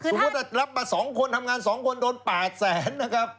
สมมุติรับมาสองคนทำงานสองคนโดนปากแสนนะครับ